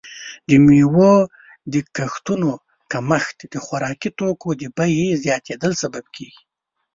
د میوو د کښتونو کمښت د خوراکي توکو د بیې زیاتیدل سبب کیږي.